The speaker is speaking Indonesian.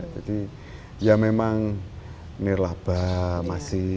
jadi ya memang menirlah bah masih